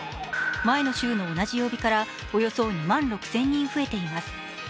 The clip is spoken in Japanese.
前の週の同じ曜日からおよそ２万６０００人増えています。